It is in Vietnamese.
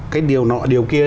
cái điều nọ điều kia